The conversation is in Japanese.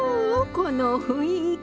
この雰囲気。